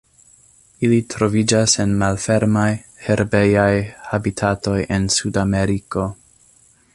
Ili troviĝas en malfermaj, herbejaj habitatoj en Sudameriko.